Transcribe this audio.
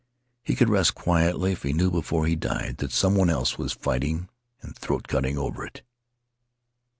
He could rest quietly if he knew before he died that some one else was fighting and throat cutting over it.